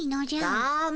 ダメ。